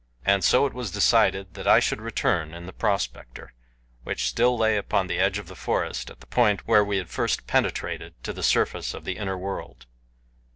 And so it was decided that I should return in the prospector, which still lay upon the edge of the forest at the point where we had first penetrated to the surface of the inner world.